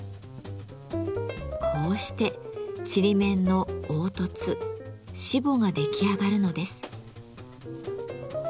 こうしてちりめんの凹凸しぼが出来上がるのです。